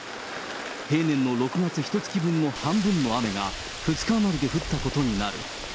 平年の６月ひとつき分の半分の雨が、２日余りで降ったことになる。